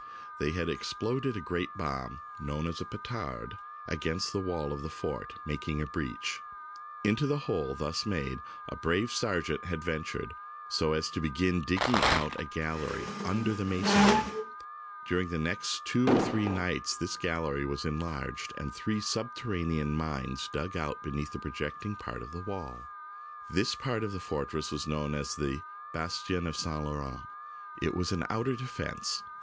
They had exploded a great bomb known as a " pe tard " against the wall of the fort, making a breach. Into the hole thus made a brave sergeant had ven tured, so as to begin digging out a gallery under THE BOOK OF FAMOUS SIEGES the masonry. During the next two or three nights this gallery was enlarged and three subterranean mines dug out beneath the projecting part of the wall. This part of the fortress was known as the " Bastion of St. Laurent." It was an outer defence.